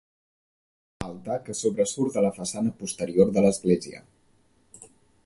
Altar que sobresurt de la façana posterior de l'església.